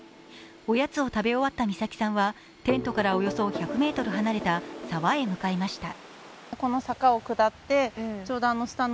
おやつを食べ終わった美咲さんは、テントからおよそ１００ｍ離れた沢へ向かいました。